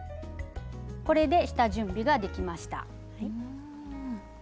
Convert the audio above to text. これで下準備ができました。